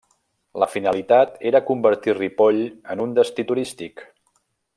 La finalitat era convertir Ripoll en un destí turístic.